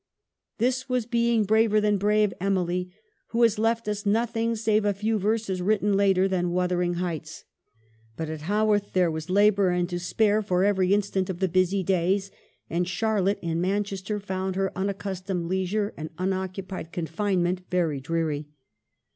This was being braver than brave Emily, who has left us nothing, save a few verses, written later than ' Wuthering Heights.' But at Haworth there was labor and to spare for every instant of the busy days, and Charlotte, in Manchester, found her unaccustomed leisure and unoccupied confinement very dreary.